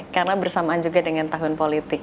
karena bersamaan juga dengan tahun politik